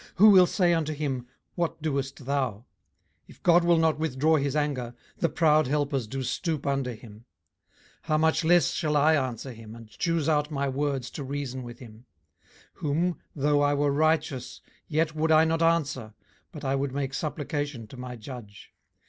who will say unto him, What doest thou? 18:009:013 If God will not withdraw his anger, the proud helpers do stoop under him. 18:009:014 How much less shall I answer him, and choose out my words to reason with him? 18:009:015 Whom, though I were righteous, yet would I not answer, but I would make supplication to my judge.